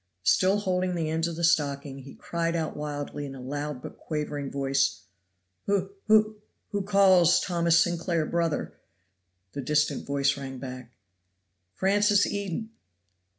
Still holding the ends of the stocking, he cried out wildly in a loud but quavering voice: "Who o o calls Thomas Sinclair brother?" The distant voice rang back "Francis Eden!"